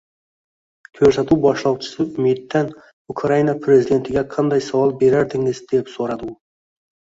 Ko'rsatuv boshlovchisi Umiddan Ukraina prezidentiga qanday savol berardingiz? deb so'radi u